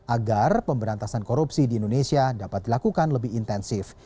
agar pemberantasan korupsi di indonesia dapat dilakukan lebih intensif